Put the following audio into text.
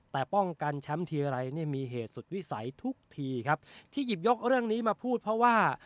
แต่ป้องกันแชมป์ทีไรเนี่ยมีเหตุสุดวิสัยทุกทีครับที่หยิบยกเรื่องนี้มาพูดเพราะว่า